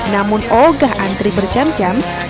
namun ogah antri bercam cam